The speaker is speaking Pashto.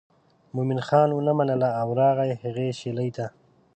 مومن خان ونه منله او راغی هغې شېلې ته.